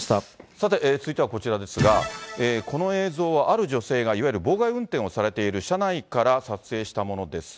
続いてはこちらですが、この映像は、ある女性が、いわゆる妨害運転をされている車内から撮影したものです。